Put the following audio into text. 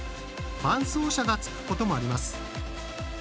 伴走者がつくこともあります。